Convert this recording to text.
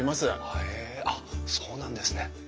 へえあっそうなんですね。